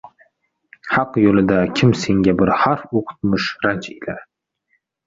Haq yo‘lida kim senga bir harf o‘qutmish ranj ila